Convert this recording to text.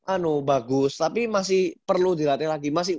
anu bagus tapi masih perlu dilatih lagi